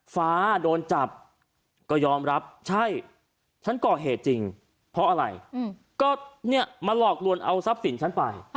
ฟ้าโดนจับก็ยอมรับใช่ฉันก่อเหตุจริงเพราะอะไรก็เนี่ยมาหลอกลวนเอาทรัพย์สินฉันไป